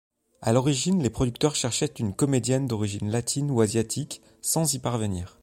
À l'origine, les producteurs cherchaient une comédienne d'origine latine ou asiatique, sans y parvenir.